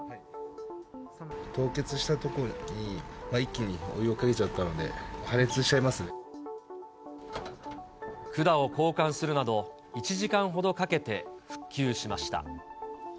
凍結したところに一気にお湯をかけちゃったので、管を交換するなど、１時間ほどかけて復旧しました。